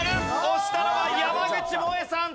押したのは山口もえさん。